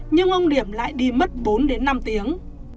nhưng ông điểm lại đi mất bốn đến năm tiếng